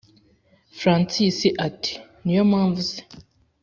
francis ati”niyo mpamvu se